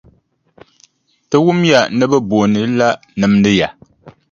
Ti wumya ni bɛ booni li la nimdi ya.